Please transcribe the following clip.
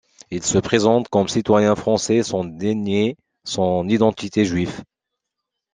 Il se présente comme citoyen français sans dénier son identité juive.